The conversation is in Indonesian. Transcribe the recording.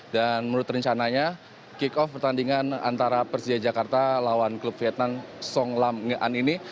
dan menurut rencananya kick off pertandingan antara persija jakarta lawan klub vietnam song lam nge an ini